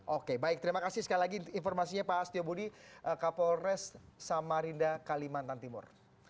oke baik terima kasih sekali lagi informasinya pak astio budi kapolres samarinda kalimantan timur